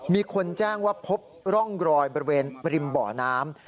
มีคนแจ้งว่าพบร่องรอยบริมเบาะน้ำ